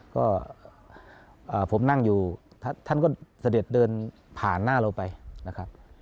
ก็ผมนั่งอยู่ท่านก็เสด็จเดินผ่านหน้าเราไปนะครับ